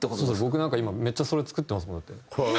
僕なんか今めっちゃそれ作ってますもんだって。